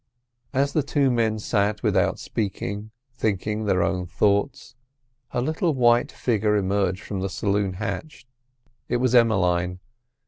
As the two men sat without speaking, thinking their own thoughts, a little white figure emerged from the saloon hatch. It was Emmeline.